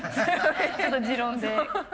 ちょっと持論で。